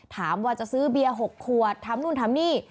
ถามว่าจะซื้อเบียร์๖ขวดทำนู่นทำนี่